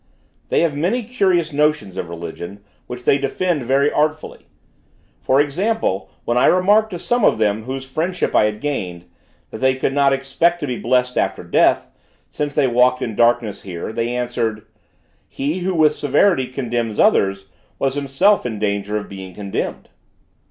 They have many curious notions of religion, which they defend very artfully; for example, when I remarked to some of them whose friendship I had gained, that they could not expect to be blessed after death, since they walked in darkness here, they answered: "He, who with severity condemned others, was himself in danger of being condemned."